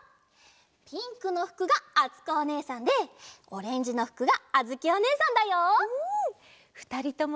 ピンクのふくがあつこおねえさんでオレンジのふくがあづきおねえさんだよ。